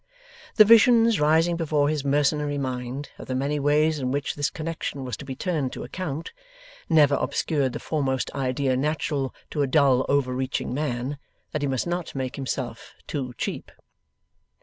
The visions rising before his mercenary mind, of the many ways in which this connexion was to be turned to account, never obscured the foremost idea natural to a dull overreaching man, that he must not make himself too cheap.